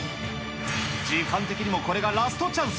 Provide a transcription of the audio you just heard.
時間的にもこれがラストチャンス。